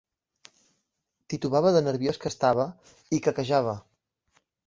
Titubava de nerviós que estava i quequejava.